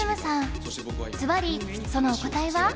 ずばりそのお答えは？